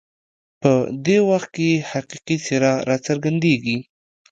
په دې وخت کې یې حقیقي څېره راڅرګندېږي.